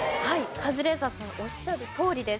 カズレーザーさんおっしゃるとおりです。